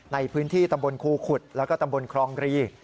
ในพื้นที่ตำบลครูขุดแล้วก็ตำบลครองรี